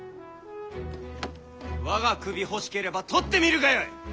我が首欲しければ取ってみるがよい！